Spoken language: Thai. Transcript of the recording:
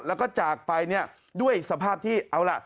แล้วก็จากไปเนี่ยด้วยสภาพที่เอาล่ะ